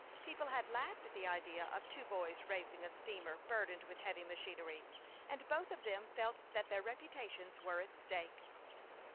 People had laughed at the idea of twp boys raising a steamer burdened with heavy machi nery, and both of them felt that their reputations were at stake.